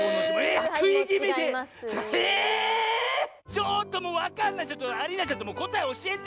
ちょっともうわかんないアリーナちゃんこたえおしえて！